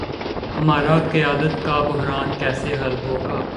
ہمارا قیادت کا بحران کیسے حل ہو گا۔